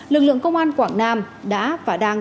lực lượng công an quảng nam đã và đang